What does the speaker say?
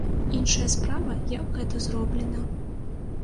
Іншая справа, як гэта зроблена.